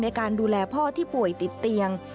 ในการดูแลพ่อที่ป่วยติดเตียง